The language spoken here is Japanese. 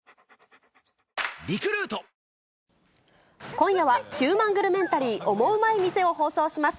今夜は、ヒューマングルメンタリー、オモウマい店を放送します。